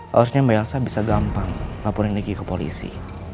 harusnya mbak elsa bisa gampang laporin lagi ke polisi